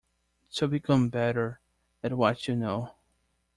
To become better at what you know.